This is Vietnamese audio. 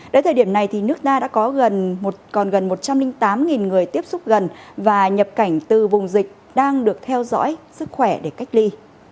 đến thời điểm này nước ta đã có gần một trăm linh tám người tiếp xúc gần và nhập cảnh từ vùng dịch đang được theo dõi sức khỏe để cách ly